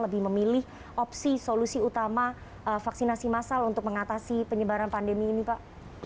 lebih memilih opsi solusi utama vaksinasi massal untuk mengatasi penyebaran pandemi ini pak